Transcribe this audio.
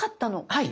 はい。